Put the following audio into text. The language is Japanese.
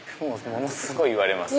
ものすごい言われます。